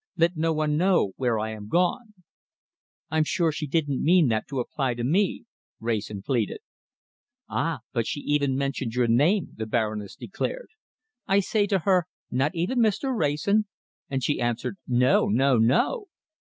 Let no one know where I am gone.'" "I'm sure she didn't mean that to apply to me," Wrayson pleaded. "Ah! but she even mentioned your name," the Baroness declared. "I say to her, 'Not even Mr. Wrayson?' and she answered, 'No! No! No!'"